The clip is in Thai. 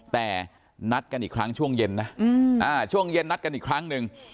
แต่นัดกันอีกครั้งช่วงเย็นนะช่วงเย็นนัดกันอีกครั้งหนึ่ง